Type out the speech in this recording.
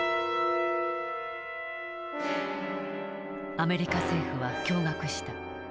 アメリカ政府は驚がくした。